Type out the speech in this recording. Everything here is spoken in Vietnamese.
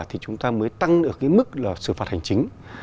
thì chúng ta mới tăng được cái mức là sửa phạt hành chính